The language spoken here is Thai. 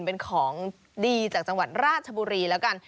เป็นของดีจากจังหวัดราชบุรีแล้วกัน